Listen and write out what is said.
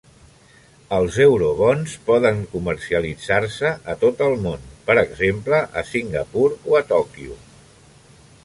Els eurobons poden comercialitzar-se a tot el món, per exemple, a Singapur o a Tòquio.